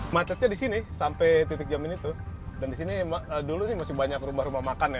macetnya di sini sampai titik jamin itu dan di sini dulu sih masih banyak rumah rumah makan ya